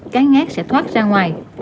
cá ngát sẽ thoát ra ngoài